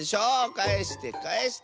かえしてかえして！